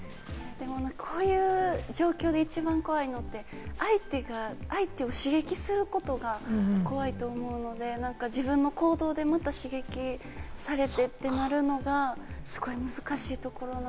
こういう状況で一番怖いのって、相手を刺激することが怖いと思うので、自分の行動でまた刺激されてってなるのがすごい難しいところ。